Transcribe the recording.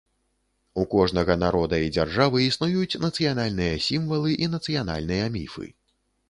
У кожнага народа і дзяржавы існуюць нацыянальныя сімвалы і нацыянальныя міфы.